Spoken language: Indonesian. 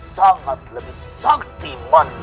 sangat lebih saktiman